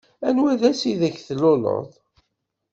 Anwa ass ideg tluleḍ?